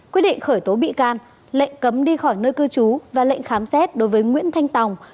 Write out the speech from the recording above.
quyết định khởi tố bị can lệnh cấm đi khỏi nơi cư trú và lệnh khám xét đối với nguyễn thanh tòng